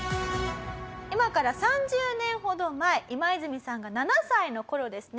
今から３０年ほど前イマイズミさんが７歳の頃ですね